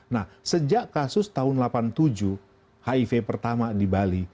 nah sejak kasus tahun delapan puluh tujuh hiv pertama di bali